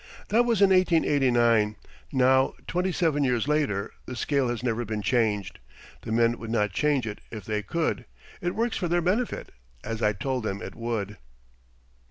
[That was in 1889, now twenty seven years ago. The scale has never been changed. The men would not change it if they could; it works for their benefit, as I told them it would.